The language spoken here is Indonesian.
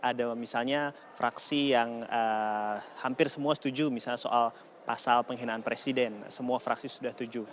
ada misalnya fraksi yang hampir semua setuju misalnya soal pasal penghinaan presiden semua fraksi sudah setuju